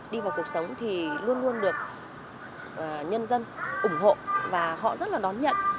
đi vào cuộc sống thì luôn luôn được nhân dân ủng hộ và họ rất là đón nhận